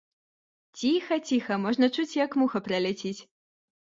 Ціха, ціха, можна чуць, як муха праляціць.